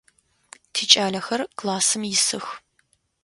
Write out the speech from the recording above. Тикӏалэхэр классым исых.